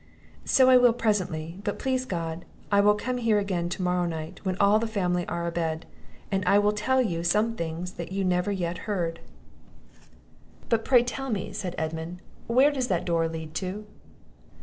"So I will presently; but, please God, I will come here again to morrow night, when all the family are a bed; and I will tell you some things that you never yet heard." "But pray tell me," said Edmund, "where does that door lead to?"